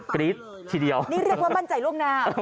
กรี๊ดทีเดียวนี่เรียกว่ามั่นใจล่วงหน้า